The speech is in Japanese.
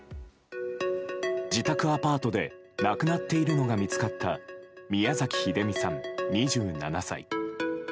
自宅アパートで亡くなっているのが見つかった宮崎英美さん、２７歳。